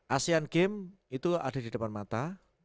asean games itu ada di depan mata